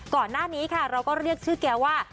ก่อนหน้านี้ค่ะเราก็เรียกชื่อแกว่า